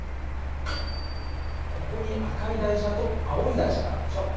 ここに赤い台車と青い台車があるでしょ。